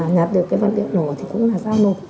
nhạt được cái vật liệu nổ thì cũng là giao nộp